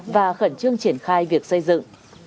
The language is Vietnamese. và khẩn trương triển khai việc xây dựng